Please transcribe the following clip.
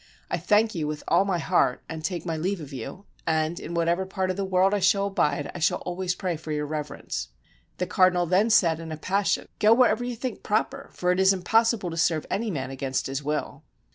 I thank you with all my heart, and take my leave of you, and in whatever part of the world I shall abide I shall always pray for Your Reverence." The cardinal then said in a passion, "Go wherever you think proper, for it is impossible to serve any man against his will."